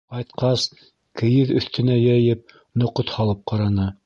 Ҡайтҡас, кейеҙ өҫтөнә йәйеп, ноҡот һалып ҡараны.